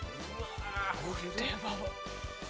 これは。